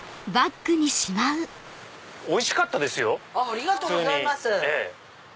ありがとうございます。